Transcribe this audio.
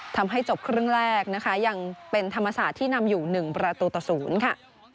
ทำให้จบครึ่งแรกนะคะยังเป็นธรรมศาสตร์ที่นำอยู่๑ประตูต่อ๐ค่ะ